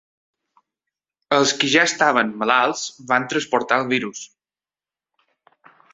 Els qui ja estaven malalts van transportar el virus.